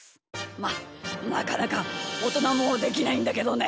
まあなかなかおとなもできないんだけどね。